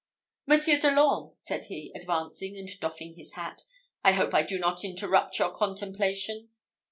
"Monsieur de l'Orme," said he, advancing, and doffing his hat, "I hope I do not interrupt your contemplations."